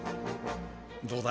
どうだ？